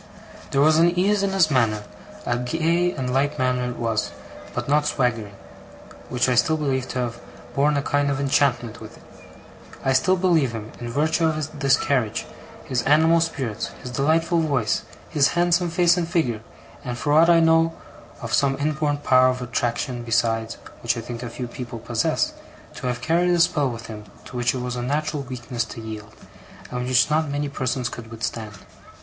There was an ease in his manner a gay and light manner it was, but not swaggering which I still believe to have borne a kind of enchantment with it. I still believe him, in virtue of this carriage, his animal spirits, his delightful voice, his handsome face and figure, and, for aught I know, of some inborn power of attraction besides (which I think a few people possess), to have carried a spell with him to which it was a natural weakness to yield, and which not many persons could withstand.